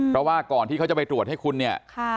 เพราะว่าก่อนที่เขาจะไปตรวจให้คุณเนี่ย